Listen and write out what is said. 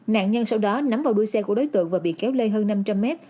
nạn nhân sau đó nắm vào đuôi xe của đối tượng và bị kéo lê hơn năm trăm linh mét